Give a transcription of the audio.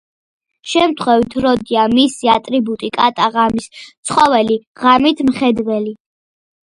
შემთხვევით როდია მისი ატრიბუტი კატა, ღამის ცხოველი, ღამით მხედველი.